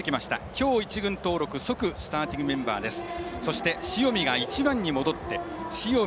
きょう１軍登録即スターティングメンバーです。